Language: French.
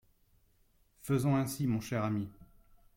Faisons ainsi mon cher ami.